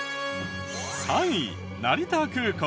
３位成田空港。